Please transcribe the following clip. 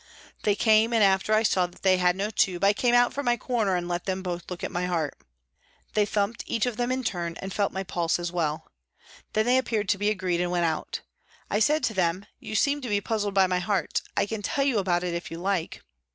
They came, and after I saw that they had no tube I came out from my corner and let them both look at my heart. They thumped, each of them in turn, and felt my pulse as well. Then they appeared to be agreed and went out. I said to them, " You seemed to be puzzled by my heart ; I can tell you about it if you like."